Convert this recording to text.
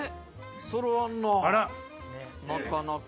揃わんななかなか。